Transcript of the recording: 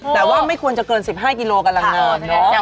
แต่ว่าไม่ควรจะเกิน๑๕กิโลกำลังนอน